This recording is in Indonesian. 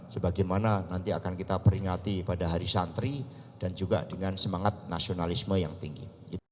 sebagaimana nanti akan kita peringati pada hari santri dan juga dengan semangat nasionalisme yang tinggi